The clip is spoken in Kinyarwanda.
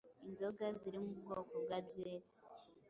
inzoga ziri mu bwoko bwa byeri